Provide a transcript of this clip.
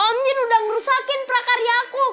om jin udah ngerusakin prakarya aku